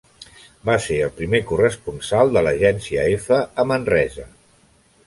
Va ser el primer corresponsal de l'agència Efe a Manresa.